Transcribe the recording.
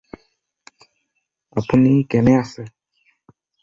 আপুনি কেনে আছে?